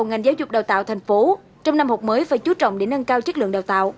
ngành giáo dục đào tạo thành phố trong năm học mới phải chú trọng để nâng cao chất lượng đào tạo